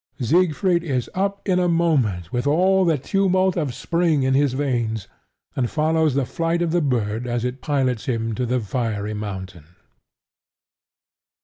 Siegfried is up in a moment with all the tumult of spring in his veins, and follows the flight of the bird as it pilots him to the fiery mountain.